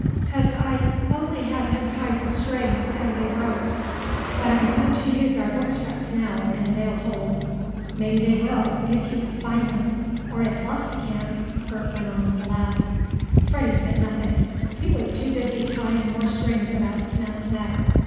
"'Cause I only had him tied with strings, and they broke. But I'm going to use our book straps now, and they'll hold." "Maybe they will if you can find 'em or if Flossie can," Bert went on with a laugh. Freddie said nothing. He was too busy tying more strings about Snap's neck.